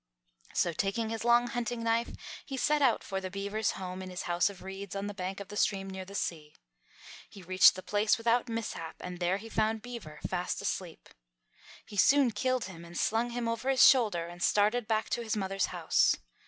So, taking his long hunting knife, he set out for the beaver's home in his house of reeds on the bank of the stream near the sea. He reached the place without mishap and there he found Beaver fast asleep. He soon killed him and slung him over his shoulder and started back to his mother's house.